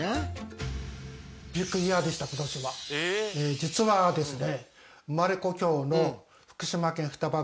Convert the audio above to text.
実はですね